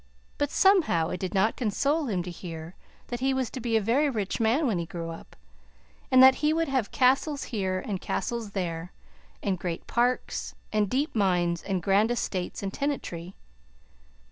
But, somehow, it did not console him to hear that he was to be a very rich man when he grew up, and that he would have castles here and castles there, and great parks and deep mines and grand estates and tenantry.